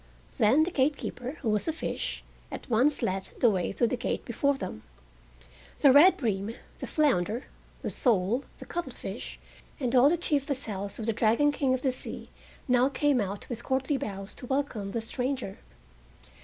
Then the gatekeeper, who was a fish, at once led the way through the gate before them. The red bream, the flounder, the sole, the cuttlefish, and all the chief vassals of the Dragon King of the Sea now came out with courtly bows to welcome the stranger.